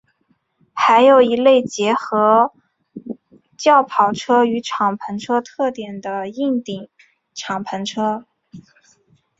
还有一类结合轿跑车与敞篷车特点的硬顶敞篷车。